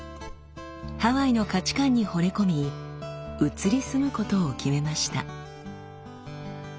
ハワイの価値観にほれ込み移り住むことを決めました。